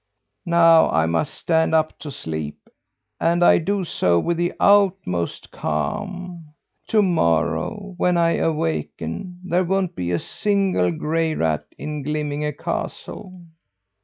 Now I must stand up to sleep and I do so with the utmost calm. To morrow, when I awaken, there won't be a single gray rat in Glimminge castle."